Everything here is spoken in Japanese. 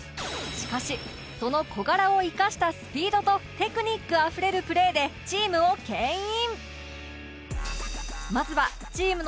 しかしその小柄を生かしたスピードとテクニックあふれるプレーでチームを牽引